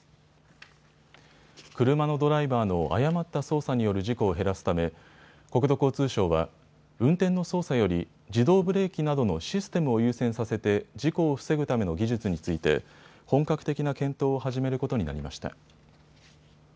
車のドライバーの誤った操作による事故を減らすため国土交通省は運転の操作より自動ブレーキなどのシステムを優先させて事故を防ぐための技術について本格的な検討を始めることになりました。